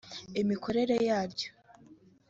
imikorere yaryo